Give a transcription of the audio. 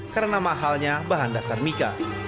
karena mahalnya bahan dasar mika